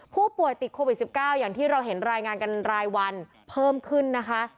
ผู้ป่วยติดโควิด๑๙อย่างที่เราเห็นรายงานกันรายวันเพิ่มขึ้นนะคะ